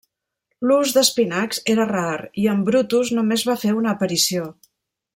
L'ús d'espinacs era rar i en Brutus només va fer una aparició.